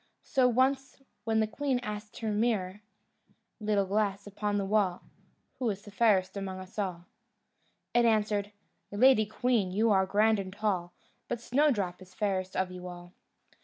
So once, when the queen asked of her mirror: "Little glass upon the wall, Who is fairest among us all?" it answered: "Lady queen, you are grand and tall, But Snowdrop is fairest of you all."